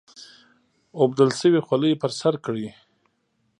اوبدل شوې خولۍ پر سر کړي.